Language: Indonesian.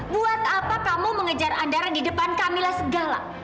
kenapa kamu mengejar andara di depan kamila segala